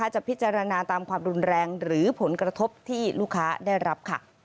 จะพิจารณาตามความรุนแรงหรือผลกระทบที่ลูกค้าได้รับ